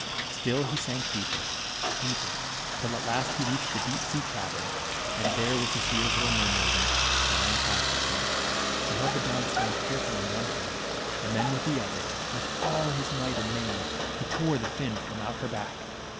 Still he sank, deeper — deeper — till at last he reached the deep sea cavern, and there was his dear little mermaiden, lying fast asleep. He held the brown strand carefully in one hand, and then with the other, with all his might and main, he tore the fin from out her back.